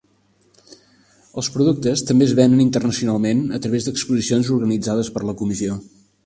Els productes també es venen internacionalment a través d'exposicions organitzades per la comissió.